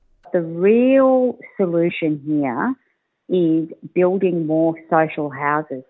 keseluruhan solusi di sini adalah membangun rumah sosial lebih banyak